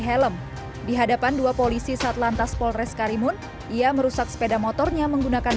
helm di hadapan dua polisi satlantas polres karimun ia merusak sepeda motornya menggunakan